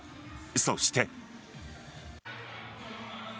そして。